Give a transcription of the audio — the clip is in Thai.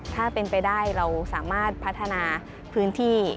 ถ้าเป็นไปได้เราสามารถพัฒนาพื้นที่